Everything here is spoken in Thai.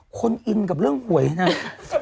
คนอินกับเรื่องหวยนะ